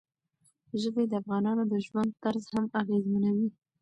ژبې د افغانانو د ژوند طرز هم اغېزمنوي.